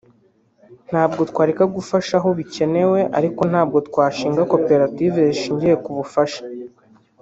“Ntabwo twareka gufasha aho bikenewe ariko ntabwo twashinga koperative zishingiye ku bufasha